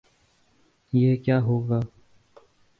یہ کیا ہو گا؟